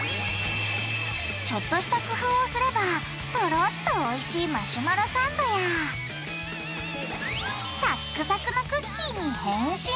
ちょっとした工夫をすればトロッとおいしいマシュマロサンドやサックサクのクッキーに変身！